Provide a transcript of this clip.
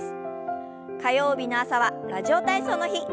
火曜日の朝は「ラジオ体操」の日。